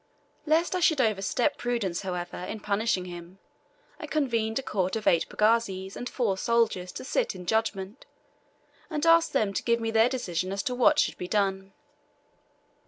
Lest I should overstep prudence, however, in punishing him, I convened a court of eight pagazis and four soldiers to sit in judgment, and asked them to give me their decision as to what should be done.